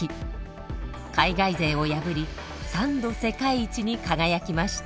海外勢を破り３度世界一に輝きました。